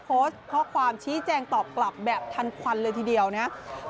โพสต์ข้อความชี้แจงตอบกลับแบบทันควันเลยทีเดียวนะครับ